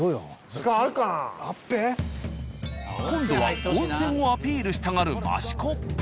今度は温泉をアピールしたがる益子。